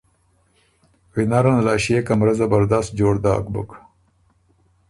وینره نل ا ݭيې کمرۀ زبردست جوړ داک بُک